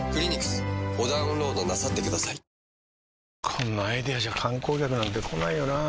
こんなアイデアじゃ観光客なんて来ないよなあ